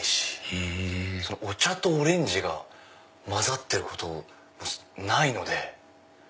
へぇお茶とオレンジが混ざってることないので。